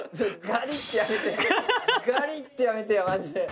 ガリッてやめてよマジで。